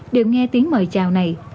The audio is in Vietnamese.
đều nghe tiếng mời chào này